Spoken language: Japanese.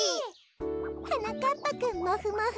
はなかっぱくんもふもふ。